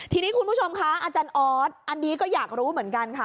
ทีนี้คุณผู้ชมคะอาจารย์ออสอันนี้ก็อยากรู้เหมือนกันค่ะ